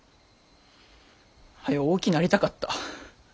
はよ大きなりたかった。